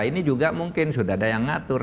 ini juga mungkin sudah ada yang ngatur